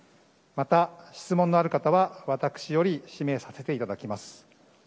また、質問のある方は私より指名させていただきます。